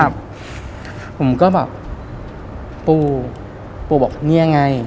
ผมก็แบบปู่บอกนี่ไง